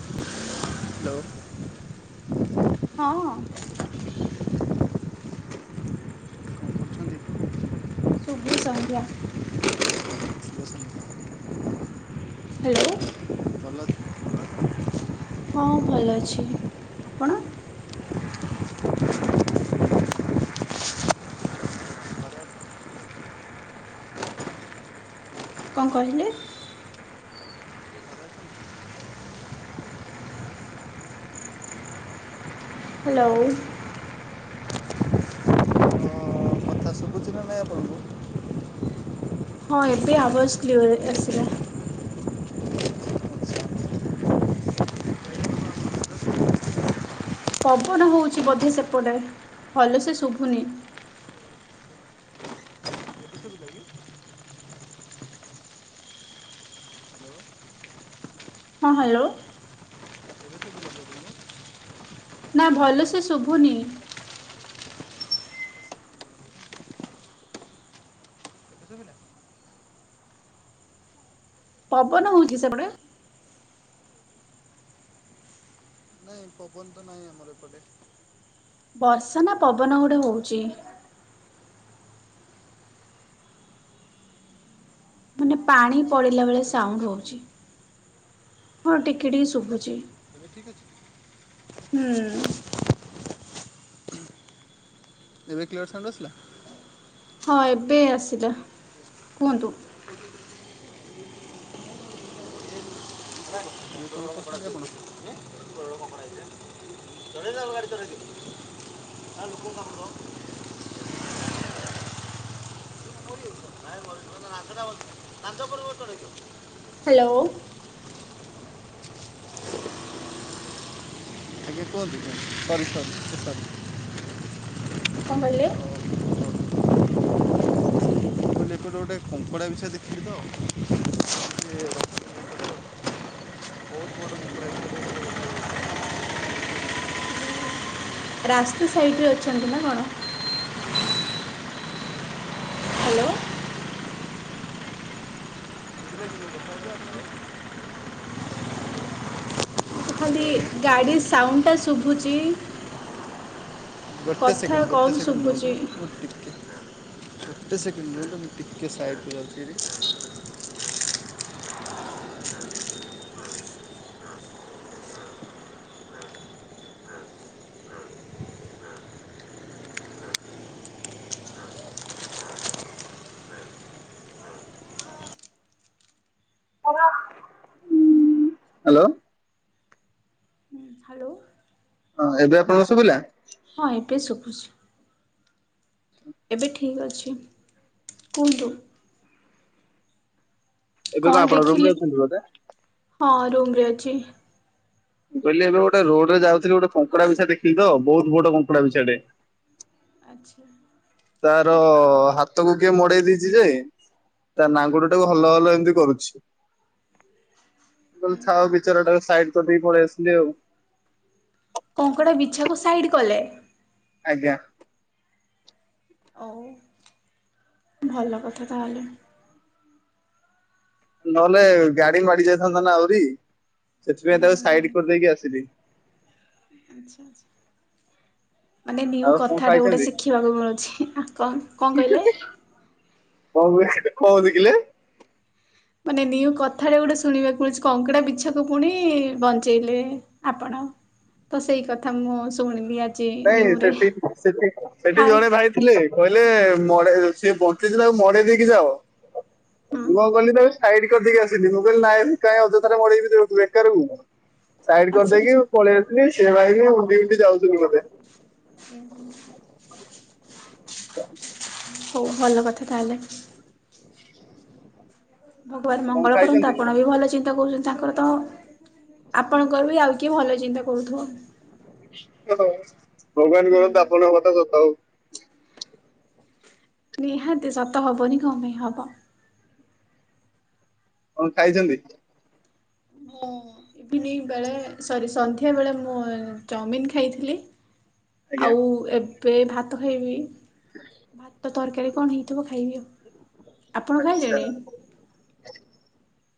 Hello. ହଁ। କଣ କରୁଛନ୍ତି ଶୁଭ ସଂନ୍ଧ୍ୟା। ହ୍ୟାଲୋ। ଭଲ ହଁ ଭଲ ଅଛି ଆପଣ? କଣ କହିଲେ? ହ୍ୟାଲୋ। ମେ ଆପଣଙ୍କୁ। ହଁ ଏବେ ଆବାଜ କ୍ଲିଅର ଏସିଲା। ଆଚ୍ଛା ଏବେ ପବନ ହଉଛି ବୋଧେ ସେପଟେ ଭଲ ସେ ଶୁଭୁନି। ଶୁଭିଲା କି? ହ୍ୟାଲୋ ଏବେ ହଁ ହ୍ୟାଲୋ। ଶୁଭିଲା ପବନ? ଏବେ ନା ଭଲ ସେ ଶୁଭୁନି। ଶୁଭିଲା? ପବନ ହଉଛି କି ସେପଟେ? ନାଇଁ ପବନ ତ ନାହିଁ ଆମର ଏପଟେ। ବର୍ଷା ନା ପବନ ଗୋଟେ ହଉଛି। ମାନେ ପାଣି ଆଚ୍ଛା ପଡ଼ିଲା ବେଳେ ଏବେ ଶୁଭୁଛି ସାଉଣ୍ଡ ଆପଣଙ୍କୁ ହଉଛି ହଁ ଟିକେ ଟିକେ ଏବେ ଶୁଭୁଛି। ଏବେ ଠିକ୍ ଅଛି। ହୁଁ। ଏବେ କ୍ଲିୟର ସାଉଣ୍ଡ ଆସିଲା। ହଁ ଏବେ ଆସିଲା କୁହନ୍ତୁ? [unintelligible] [inaudible] [inaudible] [inaudible] ହ୍ୟାଲୋ। ଆଜ୍ଞା କୁହନ୍ତୁ ସରି ସରି ସରି କଣ କହିଲେ? ଗୋଟ ଗୋଟେ କଙ୍କଡ଼ାବିଛା ଦେଖିଲି ତ ସେ ବହୁତ୍ ବଡ କଙ୍କଡାବିଛାଟେ ମାନେ ରାସ୍ତା ସାଇଡରେ ଅଛନ୍ତି ନା କଣ? ହ୍ୟାଲୋ। [inaudible] ମତେ ଖାଲି ହ୍ୟାଲୋ ଗାଡି ସାଉଣ୍ଡ ଟା ଶୁଭୁଛି। ଗୋଟେ କଥା ସେକଣ୍ଡ ଗୋଟେ କମ ସେକେଣ୍ଡ ରୁହନ୍ତୁ ଶୁଭୁଛି ମୁଁ ଟିକେ। ଗୋଟେ ସେକେଣ୍ଡରେ ତ ମୁଁ ଟିକେ ସାଇଡ଼କୁ ଯାଉଛି ଭାରି। ହ୍ୟାଲୋ। ହ୍ୟାଲୋ। ହଁ ଏବେ ଆପଣଙ୍କୁ ଶୁଭିଲା? ହଁ ଏବେ ଶୁଭୁଛି। ଏବେ ଠିକ୍ ଅଛି କୁହନ୍ତୁ। ଏବେ କଣ ଆପଣ ରୁମ ରେ ଦେଖିଲି ଅଛନ୍ତି ବୋଧେ? ହଁ ରୁମରେ ଅଛି। ମୁଁ କହିଲ ଏବେ ଗୋଟେ ରୋଡରେ ଯାଉଥିଲି ଗୋଟେ କଙ୍କଡାବିଛା ଦେଖିଲି ତ ବହୁତ ବଡ କଙ୍କଡାବିଛାଟେ। ଆଚ୍ଛା। ତାର ହାତ କୁ କିଏ ମୋଡେଇ ଦେଇଛି ଯେ ତା ନାଙ୍ଗୁଡଟାକୁ ହଲ ହଲ ଏମିତି କରୁଛି। ହଉ ଥାଉ ବିଚରା ଟା, ସାଇଡ କରିଦେଇ ପଳେଇ ଆସିଲି ଆଉ। କଙ୍କଡ଼ା ବିଛାକୁ ସାଇଡ଼୍ କଲେ? ଆଜ୍ଞା। ଆଉ? ଭଲ କଥା ତାହେଲେ। ନହେଲେ ଗାଡି ମାଡି ଯାଇଥାନ୍ତା ନା ଆହୁରି, ଉୁଁ ସେଥିପାଇଁ ତାକୁ ହୁଁ ହୁଁ ସାଇଡ କରିଦେଇକି ଆସିଲି। ଆଚ୍ଛା ଆଚ୍ଛା। ମାନେ ନିଉ ଆଉ କଣ କଥାଟା ଗୋଟେ ଖାଇଛନ୍ତି? ଶିଖିବାକୁ ମିଳୁଛି। କଣ କଣ କହିଲେ? ହଁ କଣ ଦେଖିଲେ? ମାନେ ନିଉ କଥାଟା ଗୋଟେ ଶୁଣିବାକୁ ମିଳୁଛି, କଙ୍କଡା ବିଛାକୁ ପୁଣି ବଞ୍ଚେଇଲେ ଆପଣ ତ ସେଇ କଥା ମୁଁ ଶୁଣିଲି ଆ ନାଇଁ ସେଠି ସେଠି ସେଠି ଜଣେ ଫାଷ୍ଟ ଭାଇ ଥିଲେ କହିଲେ ମଡେଇ ସିଏ ବଞ୍ଚିଚି ତାକୁ ମଡେଇ ଦେଇକି ଯାଅ। ହୁଁ ମୁଁ କଣ କିହିଲି ତାକୁ ସାଇଡ କରିଦେଇକି ଆସିଲି ମୁଁ କହିଲି ନାଇଁ କାଇଁ ଅଯଥାରେ ମଡେଇବି ତାକୁ ବେକାରକୁ। ସାଇଡ ଆଚ୍ଛା କରିଦେଇକି ଆଚ୍ଛା ପଳେଇ ଆସିଲି ସେ ଭାଇ ବି ଉଣ୍ଡି ଉଣ୍ଡି ଯାଉଛନ୍ତି ବୋଧେ। [inaudible] ହୋଉ ଭଲ କଥା ତାହେଲେ। ଭଗବାନ କଣ ମଙ୍ଗଳ କରନ୍ତୁ ଖାଇଛନ୍ତି? ଆପଣ ବି ଭଲ ଚିନ୍ତା କରୁଚନ୍ତି ତାଙ୍କର ତ ଆପଣଙ୍କର ବି ଆଉ କିଏ ଭଲ ଚିନ୍ତା କରୁଥୁବ। ଓହୋ ଭଗବାନ ହୁଁ କରନ୍ତୁ ଆପଣଙ୍କ କଥା ସତ ହୋଉ। ନିହାତି ସତ ହବନି କଣ ପାଇଁ ହବ। କଣ ଖାଇଛନ୍ତି? ମୁଁ ଇଭିନିଂ ବେଳେ ସରି ସନ୍ଧ୍ୟାବେଳେ ମୁଁ ଚଓମିିନ ଖାଇଥିଲି। ଆଜ୍ଞା। ଆଉ ଏ ବେ ଭାତ ଖାଇବି ଭାତ ତରକାରୀ କଣ ହେଇଥିବ ଖାଇବି ଆଉ। ଆପଣ ଆଚ୍ଛା। ଖାଇଲେଣି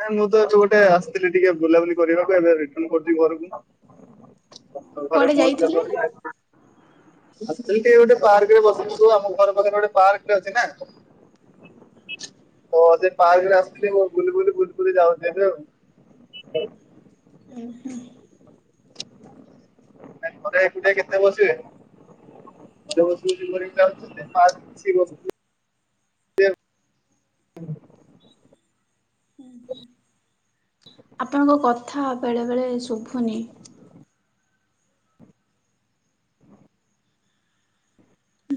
ନା ମୁଁ ତ ଯୋଉ ଗୋଟେ ଆସିଥିଲି ଟିକେ ବୁଲାବୁଲି କରିବାକୁ ଏବେ ରିଟନ କରୁଚି ଘରକୁ। ଘରେ କୁଆଡ଼େ ପହଞ୍ଚିଲା ଯାଇଥିଲେ? ପରେ ଆସିଥିଲି ଟିକେ ଗୋଟେ ପାର୍କରେ ବସିଚୁ ଆମ ଘର ପାଖରେ ଗୋଟେ ପାର୍କଟେ ଅଛି ନା। ହଁ ସେ ପାର୍କରେ ଆସିଥିଲି ମୁଁ ବୁଲି ବୁଲି ବୁଲି ବୁଲି ଯାଉଚି ଏବେ ଆଉ। ଉଁହୁଁ। ଘରେ ଏକୁଟିଆ କେତେ ବସିବେ? ଯୋଉ ବସି ବସି ବୋରିଂ ଲାଗୁଚି ପାର୍କ ଆସିକି ବସିଥିବେ। ଆପଣଙ୍କ କଥା ବେଳେ ବେଳେ ଶୁଭୁନି।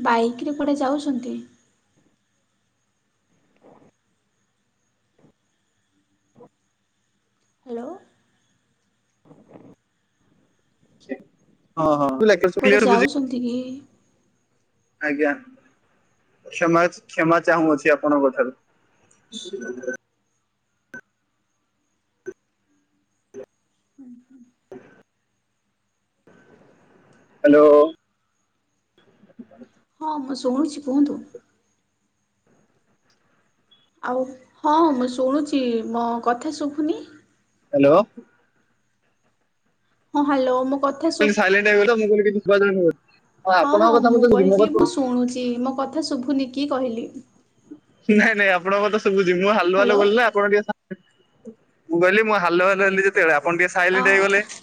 ବାଇକରେ କୁଆଡେ ଯାଉଚନ୍ତି? ହ୍ୟାଲୋ ସିଏ ହଁ ହଁ ଲାକି। କୁଆଡେ ଯାଉଚନ୍ତି କି? ଆଜ୍ଞା। କ୍ଷମା ଅଛି କ୍ଷମା ଚାହୁଁଅଛି ଆପଣଙ୍କ ଠାରୁ। ହୁଁ ହୁଁ। ହାଲୋ। ହଁ ମୁଁ ଶୁଣୁଛି କୁହନ୍ତୁ। ଆଉ ହଁ ମୁଁ ଶୁଣୁଛି ମୋ କଥା ଶୁଭୁନି? ହାଲୋ। ହଁ ହାଲୋ ମୋ କ ଥା ଶୁ ସାଇଲେଣ୍ଟ ହେଇଗଲ ମୁଁ କହିଲି କିଛି ଶୁଭାଯାଉନି ବୋଲି। ହଁ ଆପଣଙ୍କ ହଁ କଥା ମୁଁ ମତେ ଶୁଭୁଛି ମୋ କହିଲି କଥା ମୁଁ ଶୁଣୁଚି ମୋ କ ଥା ଶୁଭୁନି କି କହିଲି। ନାଇଁ ନାଇଁ ଆପଣଙ୍କ କଥା ଶୁଭୁଚି ମୁଁ ହାଲୋ ହାଲୋ ହ୍ୟାଲୋ କଲିନା ଆପଣ ଟିକେ ସା ମୁଁ କହିଲି ମୁଁ ହାଲୋ ହାଲୋ ହେଲି ଯେତେବେଳେ ଆପଣ ଟିକେ ଅ ସାଇଲେଣ୍ଟ୍ ହେଇଗଲେ ଆଚ୍ଛା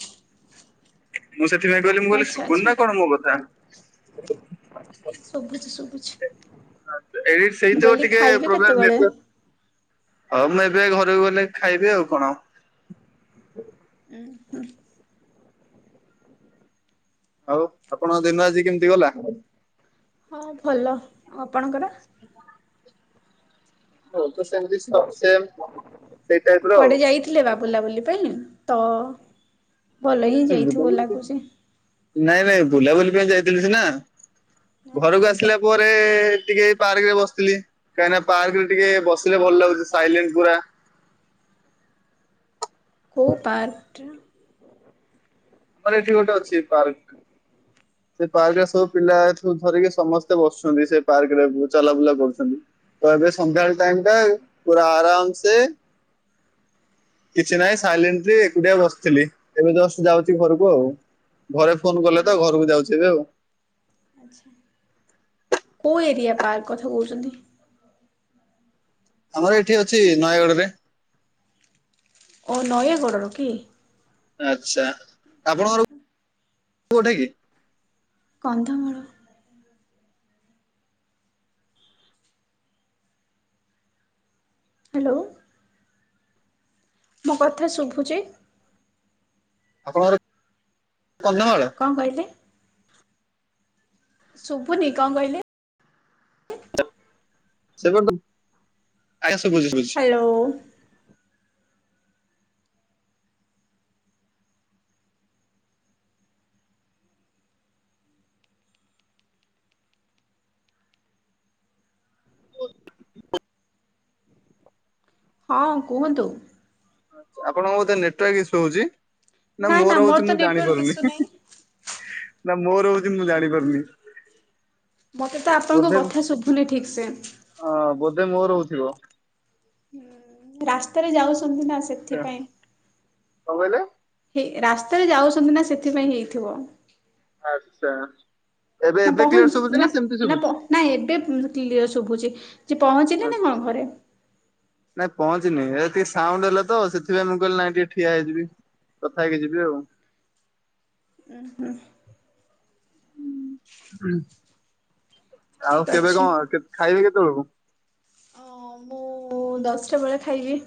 ମୁଁ ସେଥିପାଇଁ କହିଲି ମୁଁ କହିଲି ଶୁଭୁନି ଆଚ୍ଛା ନା କଣ ମୋ କଥା। ଶୁଭୁଚି ଶୁଭୁଚି। ଏଇ ସେଇ ଯୋଉ ଟିକେ ଖାଇବେ ପ୍ରୋବ୍ଲେଟ କେତେବେଳେ? ନିଦ ହଉ ମୁଁ ଏବେ ଘରକୁ ଗଲେ ଖାଇବି ଆଉ କଣ? ଉଁ ହୁଁ। ଆଉ ଆପଣ ଦିନ ଆଜି କେମିତି ଗଲା? ହଁ ଭଲ। ଆଉ ଆପଣଙ୍କର? ମୁଁ ତ ସେମିତି ସବୁ ସେମ୍। କୁଆଡେ ଯାଇଥିଲେ ବା ବୁଲାବୁଲି ପାଇଁ ତ ଭଲ ହିଁ ଯାଇଥିବ ବୁଲାବୁଲି ପାଇଁ ଲାଗୁଛି। ନାଇଁ ନାଇଁ ବୁଲାବୁଲି ପାଇଁ ଯାଇଥିଲି ସିନା ଘରକୁ ଆସି ଥିଲା ପରେ ଟିକେ ପାର୍କ ରେ ବସିଥିଲି। କାହିଁକିନା ପାର୍କରେ ଟିକେ ବସିଲେ ଭଲ ଲାଗୁଛି ସାଇଲେଣ୍ଟ ପୁରା। କୋଉ ପାର୍କ ରେ? ମାନେ ଏଠି ଗୋଟେ ଅଛି ପାର୍କ। ସେ ପାର୍କ ରେ ସବୁ ପିଲା ଏଠୁ ଧରିକି ସମସ୍ତେ ବସୁଛନ୍ତି ସେ ପାର୍କ ରେ ଚାଲା ବୁଲା କରୁଛନ୍ତି। ତ ଏବେ ସନ୍ଧ୍ୟାବେଳ ଟାଇମ ଟା ପୁରା ଆରାମ ସେ କିଛି ନାହିଁ ସାଇଲେଣ୍ଟଲି ଏକୁଟିଆ ବସିଥିଲି ଏବେ ଜଷ୍ଟ ଯାଉ ତି ଘରକୁ ଆଉ ଘରେ ଫୋନ କଲେ ଉଁ ତ ହୁଁ ଘରକୁ ଯାଉଛି ଏବେ ଆଉ। କୋଉ ଏରିଆ ପାର୍କ କଥା କହୁଛନ୍ତି? ଆମର ଏଠି ଅଛି ନୟାଗଡ ରେ। ଓ ନୟଗଡ଼ର କି? ଆଛା ଆପଣଙ୍କର କୋଉଠା କି? କନ୍ଧମାଳ। ହ୍ୟାଲୋ। ମୋ କଥା ଶୁଭୁଛି? ଆପଣଙ୍କର କନ୍ଧମାଳ? କ କହିଲେ? ଶୁବୁନି କ କହିଲେ? ସେପର୍ଯ୍ୟ ଆଜ୍ଞା ଶୁଭୁଛି ଶୁଭୁଛି। ହ୍ୟାଲୋ। ହଁ କୁହନ୍ତୁ? ଆପଣଙ୍କ ବୋଧେ ନେଟୱାକ ଇସୁ ହଉଛି ନା ମୋର ହଉଛି ତ ମୁଁ ନେଟୱାର୍କ ଜାଣିପାରୁନି? ଇସୁ ନାହିଁ ନା ମୋର ହଉଛି ମୁଁ ଜାଣି ପାରୁନି? ମତେ ତ ଆପଣଙ୍କ କଥା ଶୁଭୁନି ଠିକ ସେ ଅଁ ବୋଧେ ମୋ ହଉଥିବ। ରାସ୍ତାରେ ଯାଉଛନ୍ତି ନା ସେ କ କହିଲେ? ହେ ରାସ୍ତାରେ ଯାଉଛନ୍ତି ନା ସେଥିପାଇଁ ହେଇଥିବ। ଆଚ୍ଛା ଏବେ ଏବେ କ୍ଲିୟର ସବୁଛି ନା ସେମିତି ସବୁଛି? ନାଇଁ ଏବେ କ୍ଲିୟର ଶୁଭୁଛି ଯେ ପହଞ୍ଚିଲେ ନା ଆଚ୍ଛା। କଣ ଘରେ? ନାଇଁ ପହଞ୍ଚିିନି ଏ ଟିକେ ସାଉଣ୍ଡ ହେଲା ତ ସେଥିପାଇଁ ମୁଁ କହିଲି ନାଇଁ ଟିକେ ଠିଆ ହେଇଯିବି। କଥା ହେଇକି ଯିବି ଆଉ। ଉଁ ହୁଁ। ଉହୁଁ। ଆଉ ଠିକ କେବେ କ ଅଛି। ଖାଇବେ କେତେବେଳକୁ? ଅ ମୁଁ ଦଶଟା ବେଳେ ଖାଇବି।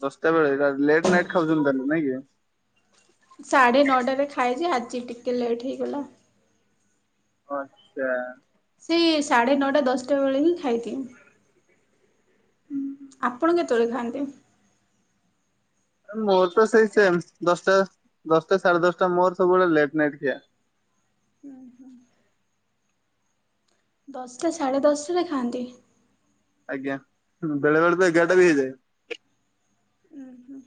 ଦଶଟା ବେଳେ ଲେଟ୍ ନାଇଟ୍ ଖାଉଛନ୍ତି ତାହେଲେ ନାଇଁ କି? ସାଢ଼େ ନଅଟାରେ ଖାଏଯେ ଆଜି ଟିକେ ଲେଟ୍ ହେଇଗଲା। ଆଚ୍ଛା। ସେ ସାଢ଼େ ନଅଟା ଦଶଟା ବେଳେ ହିଁ ଖାଇଦିଏ। ଆପଣ କେତଳେ ଖାଆନ୍ତି? ମୋର ତ ସେଇ ସେମ୍ ଦଶଟା-ଦଶଟା ସାଢେ ଦଶଟା ମୋର ସବୁବେଳେ ଲେଟ୍ ନାଇଟ୍ ଖିଆ। ହୁଁ-ହୁଁ। ଦଶଟା ସାଢ଼େ ଦଶଟାରେ ଖାଆନ୍ତି? ଆଜ୍ଞା, ବେଳେ-ବେଳେ ତ ଏଗାରଟା ବି ହେଇଯାଏ। ଉୁଁ-ହୁଁ।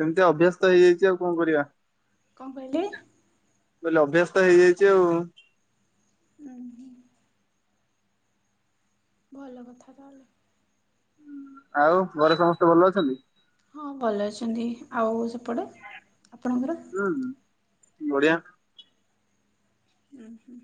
ସେମ୍ତିଆ ଅଭ୍ୟାସ୍ତ ତ ହେଇଯାଇଚି ଆଉ କଣ କରିବା। କଣ କହିଲେ? ମୁଁ କହିଲି ଅଭ୍ୟସ୍ ତ ହେଇଯାଇଚି ଆଉ। ହୁଁ। ଭଲ କଥା ତାହଲେ। ଆଉ, ଘରେ ସମସ୍ତେ ଭଲ ଅଛନ୍ତି? ହଁ ଭଲ ଅଛନ୍ତି, ଆଉ ସେପଟେ ଆପଣଙ୍କର? ହୁଁ, ବଢିଆ। ହୁଁ-ହୁଁ।